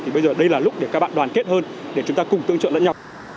thì bây giờ đây là lúc để các bạn đoàn kết hơn để chúng ta cùng tương trợ lẫn nhau